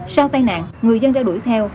sau tai nạn người dân đã đuổi theo